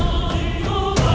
dengan mulut kita